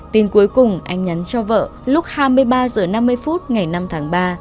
tin cuối cùng anh nhắn cho vợ lúc hai mươi ba h năm mươi phút ngày năm tháng ba